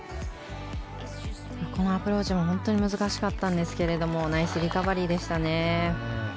このアプローチも本当に難しかったんですがナイスリカバリーでしたね。